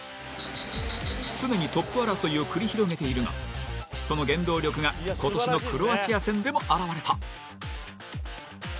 常にトップ争いを繰り広げているがその原動力が今年のクロアチア戦でも表れた。